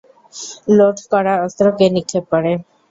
Load করা অস্ত্র কে নিক্ষেপ করে?